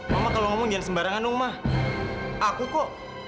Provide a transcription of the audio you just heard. pak rabbang ya sudah males itu